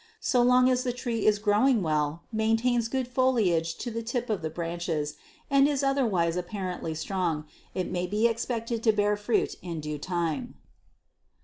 So long as the tree is growing well, maintains good foliage to the tip of the branches and is otherwise apparently strong, it may be expected to bear fruit in due time.